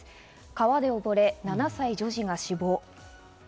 川でおぼれ、７歳女児が死亡。